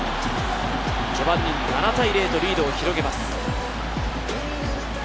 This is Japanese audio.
序盤に７対０とリードを広げます。